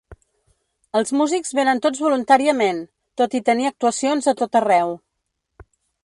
Els músics vénen tots voluntàriament, tot i tenir actuacions a tot arreu.